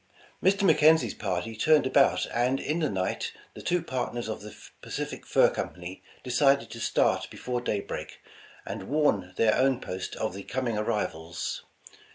Mr. McKenzie 's party turned about, and in the night, the two partners of the Pacific Fur Company de cided to start before daybreak, and warn their own post of the coming arrivals.